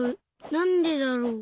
なんでだろう？